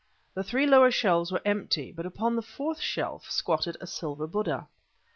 The three lower shelves were empty, but upon the fourth shelf squatted a silver Buddha.